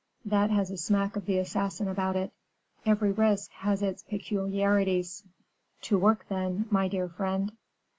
That has a smack of the assassin about it. Every risk has its peculiarities." "To work, then, my dear friend."